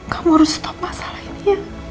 kamu harus stop masalah ini